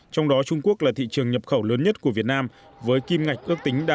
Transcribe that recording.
trong đó trung quốc là thị trường nhập khẩu lớn nhất của việt nam với kim ngạch ước tính đạt